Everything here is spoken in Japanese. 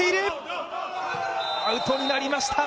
アウトになりました。